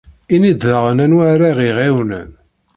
Ini-yi-d daɣen anwa ara ɣ-iɛiwnen.